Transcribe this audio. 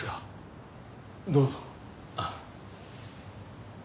どうぞ。